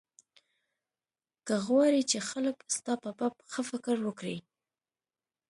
که غواړې چې خلک ستا په باب ښه فکر وکړي.